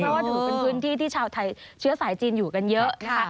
เพราะว่าถือเป็นพื้นที่ที่ชาวไทยเชื้อสายจีนอยู่กันเยอะนะคะ